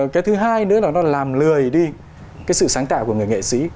cái thứ hai nữa là nó làm lười đi cái sự sáng tạo của người nghệ sĩ